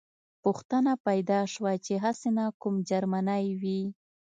پوښتنه پیدا شوه چې هسې نه کوم جرمنی وي